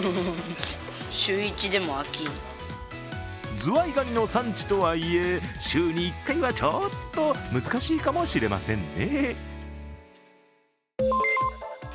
ズワイガニの産地とはいえ、週に１回はちょっと難しいかもしれませんね。